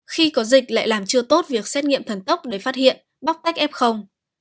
khi có dịch lại làm chưa tốt việc xét nghiệm thần tốc để phát hiện bóc tách ép không